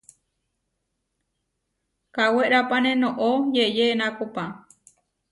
Kawerápane noʼó yeʼyé enákopa.